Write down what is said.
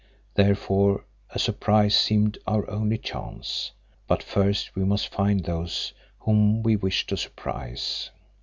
Therefore a surprise seemed our only chance. But first we must find those whom we wished to surprise.